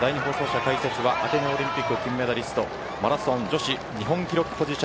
解説はアテネオリンピック金メダリストマラソン女子日本記録保持者